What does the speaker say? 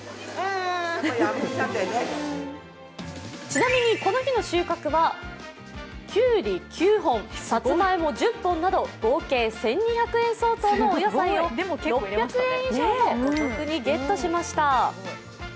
ちなみにこの日の収穫はきゅうり９本、さつまいも１０本など合計１２００相当のお野菜を６００円以上もお得にゲットしました。